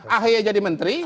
ahaya jadi menteri